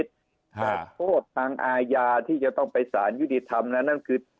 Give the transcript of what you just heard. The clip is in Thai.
แต่โทษทางอาญาที่จะต้องไปสารยุติธรรมนั้นนั่นคือ